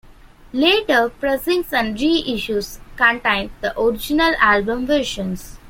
Later pressings and reissues contain the original album versions.